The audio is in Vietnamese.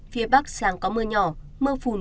phía bắc sáng có mưa nhỏ mưa phùn